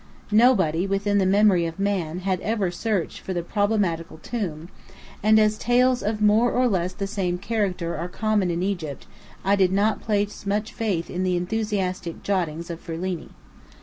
Nobody, within the memory of man, had ever searched for the problematical tomb: and as tales of more or less the same character are common in Egypt, I did not place much faith in the enthusiastic jottings of Ferlini.